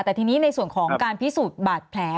แต่ทีนี้ในส่วนของการพิสูจน์บาดแผล